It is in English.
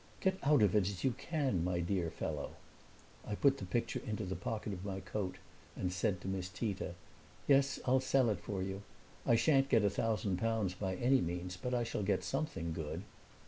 "Get out of it as you can, my dear fellow!" I put the picture into the pocket of my coat and said to Miss Tita, "Yes, I'll sell it for you. I shan't get a thousand pounds by any means, but I shall get something good."